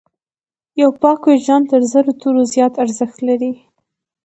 یو پاک وجدان تر زرو تورو زیات ارزښت لري.